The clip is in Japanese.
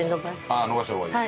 ああのばした方がいい。